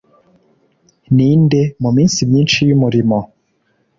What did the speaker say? ninde, muminsi myinshi yumurimo,